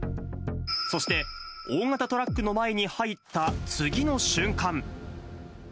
そして、大型トラックの前に入った次の瞬間。